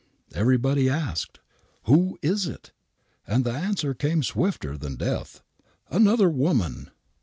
Everybody asked: "Whois'it?" And the answer came swifter than death: " Another woman